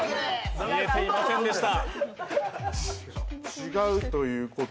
見えていませんでした！